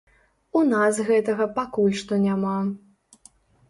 У нас гэтага пакуль што няма.